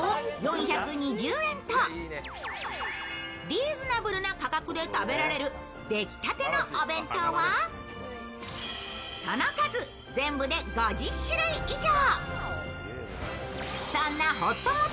リーズナブルな価格で食べられる出来立てのお弁当はその数、全部で５０種類以上。